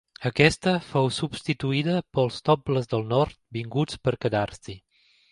Aquesta fou substituïda pels nobles del Nord, vinguts per quedar-s'hi.